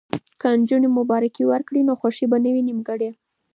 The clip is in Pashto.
که نجونې مبارکي ورکړي نو خوښي به نه وي نیمګړې.